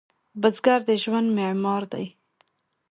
بزګر د ژوند معمار دی